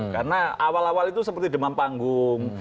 karena awal awal itu seperti demam panggung